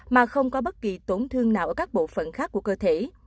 mà không có bất kỳ tổn thương nào ở các bộ phận khác của cơ thể